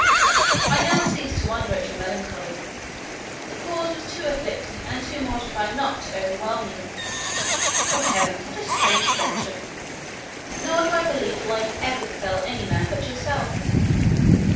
I now cease to wonder at your melancholy. The cause was too afflicting and too mortifying not to overwhelm you. O heaven! what a strange adventure! Nor do I believe the like ever befell any man but yourself.